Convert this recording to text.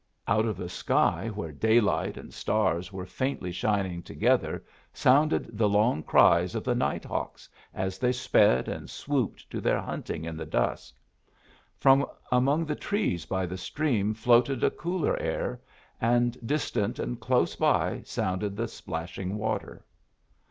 Out of the sky where daylight and stars were faintly shining together sounded the long cries of the night hawks as they sped and swooped to their hunting in the dusk. From among the trees by the stream floated a cooler air, and distant and close by sounded the splashing water.